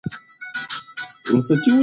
یاره چی بیخی ورته ورته دی